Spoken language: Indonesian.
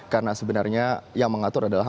karena sebenarnya yang mengatur adalah